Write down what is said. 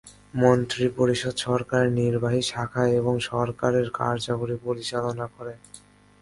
মন্ত্রিপরিষদ সরকারের নির্বাহী শাখা এবং সরকারের কার্যাবলি পরিচালনা করে।